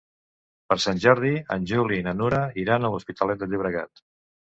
Per Sant Jordi en Juli i na Nura iran a l'Hospitalet de Llobregat.